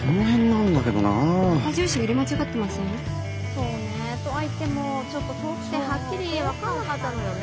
そうねえ。とは言ってもちょっと遠くてはっきり分かんなかったのよね